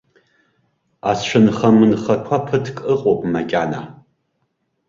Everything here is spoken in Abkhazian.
Ацәынха-мынхақәа ԥыҭк ыҟоуп макьана.